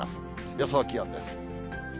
予想気温です。